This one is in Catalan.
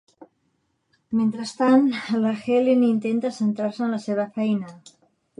Mentrestant, la Helen intenta centrar-se en la seva feina.